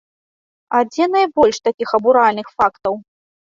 А дзе найбольш такіх абуральных фактаў?